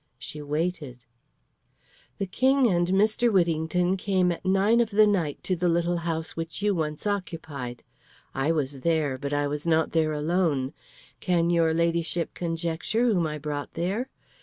She waited. "The King and Mr. Whittington came at nine of the night to the little house which you once occupied. I was there, but I was not there alone. Can your Ladyship conjecture whom I brought there?